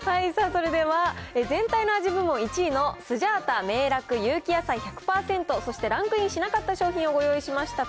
それでは、全体の味部門１位のスジャータめいらく有機野菜１００％、そしてランクインしなかった商品をご用意しました。